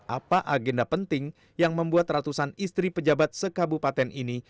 apa agenda penting yang membuat ratusan istri pejabat sekabupaten ini